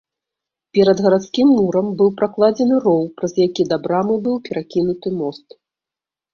Перад гарадскім мурам быў пракладзены роў, праз які да брамы быў перакінуты мост.